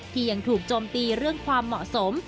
ที่ยังถูกโจมตีเรื่องความเหมาะสม